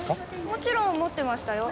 もちろん持ってましたよ。